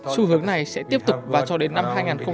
xu hướng này sẽ tiếp tục và cho đến năm hai nghìn hai mươi